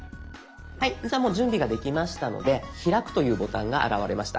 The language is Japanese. はいじゃあもう準備ができましたので「開く」というボタンが現れました。